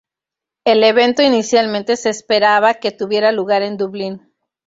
El evento inicialmente se esperaba que tuviera lugar en Dublín.